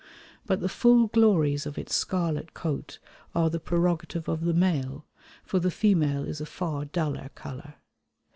But the full glories of its scarlet coat are the prerogative of the male, for the female is a far duller colour.